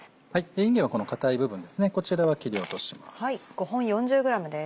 いんげんはこの硬い部分ですねこちらは切り落とします。